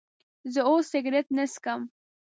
زه اوس سيګرټ نه سکم